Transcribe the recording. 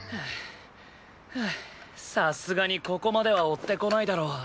さすがにここまでは追ってこないだろう。